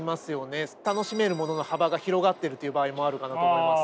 楽しめるものの幅が広がってるという場合もあるかなと思います。